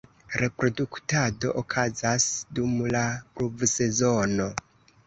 Reproduktado okazas dum la pluvsezono.